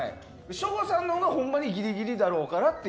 省吾さんのはほんまにギリギリだろうからって。